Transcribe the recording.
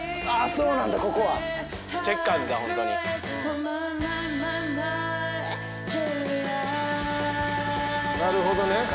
そうなんだここは。なるほどね。